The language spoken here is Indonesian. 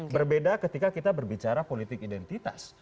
berbeda ketika kita berbicara politik identitas